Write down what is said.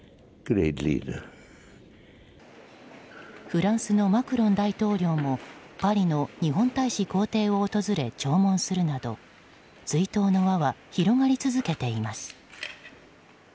フランスのマクロン大統領もパリの日本大使公邸を訪れ弔問するなど、追悼の輪は広がり続けています。